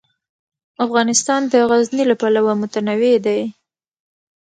افغانستان د غزني له پلوه متنوع دی.